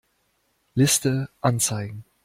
Liste anzeigen.